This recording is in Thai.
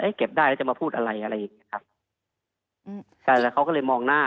เอ๊ะเก็บได้แล้วจะมาพูดอะไรอะไรอีกครับซึ่งก็เลยมองหน้า